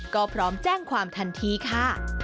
ก็พร้อมแจ้งความทันทีค่ะ